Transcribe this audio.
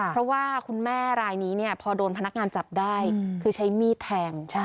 เพราะว่าคุณแม่รายนี้พอโดนพนักงานจับได้คือใช้มีดแทง